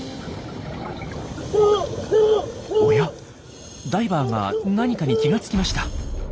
おやダイバーが何かに気が付きました。